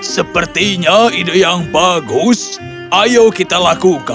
sepertinya ide yang bagus ayo kita lakukan